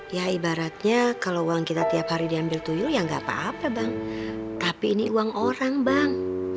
ya ibaratnya kalau uang kita tiap hari diambil tuyul yang gapapa bang tapi ini uang orang bang